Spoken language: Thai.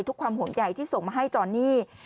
ความห่วงใหญ่ที่ส่งมาให้จอนนี่